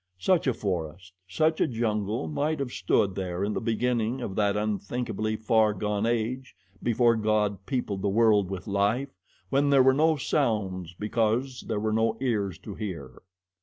Such a forest, such a jungle might have stood there in the beginning of that unthinkably far gone age before God peopled the world with life, when there were no sounds because there were no ears to hear.